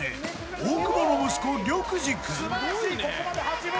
大久保の息子、緑二君。